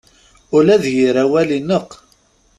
Ula d yir awal ineqq.